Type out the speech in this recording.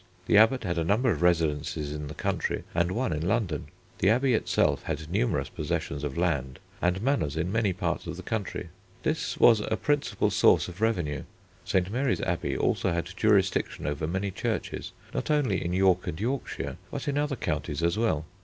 The Abbot had a number of residences in the country and one in London. The abbey itself had numerous possessions of land and manors in many parts of the country. This was a principal source of revenue. St. Mary's Abbey also had jurisdiction over many churches, not only in York and Yorkshire, but in other counties as well.